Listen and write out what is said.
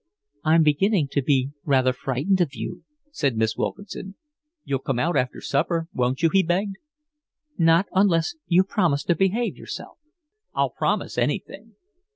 "I'm beginning to be rather frightened of you," said Miss Wilkinson. "You'll come out after supper, won't you?" he begged. "Not unless you promise to behave yourself." "I'll promise anything."